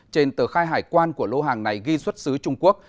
trên tờ khai hải quan của lô hàng này ghi xuất xứ trung quốc